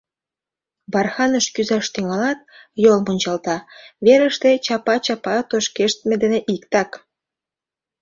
Барханыш кӱзаш тӱҥалат, йол мунчалта — верыште чапа-чапа тошкештме дене иктак.